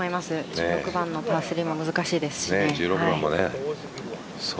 １６番のパー３も難しいですしね。